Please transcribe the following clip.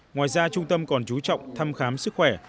ngoài ra trung tâm còn chú trọng thăm khám sức khỏe